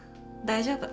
大丈夫。